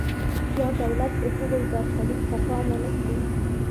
یا دولت د هغوی برخلیک ته پام ونکړي.